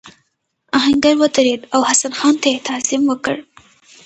آهنګر ودرېد او حسن خان ته یې تعظیم وکړ.